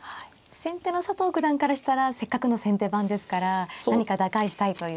先手の佐藤九段からしたらせっかくの先手番ですから何か打開したいという。